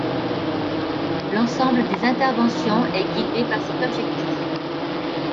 L’ensemble des interventions est guidé par cet objectif.